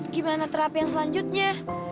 gimana terapi yang selanjutnya